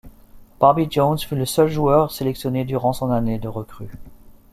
Bobby Jones fut le seul joueur sélectionné durant son année de recrue.